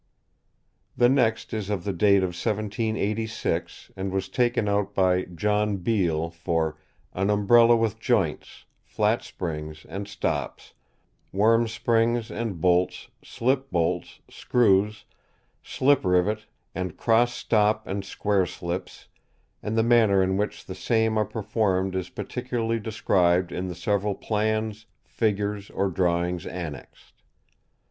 The next is of the date of 1786, and was taken out by John Beale for "An umbrella with joints, flat springs, and stops, worm springs and bolts, slip bolts, screws, slip rivet, and cross stop and square slips, and the manner in which the same are performed is particularly described in the several plans, figures, or drawings annexed."